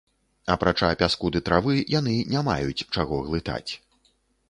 Апрача пяску ды травы, яны не маюць чаго глытаць.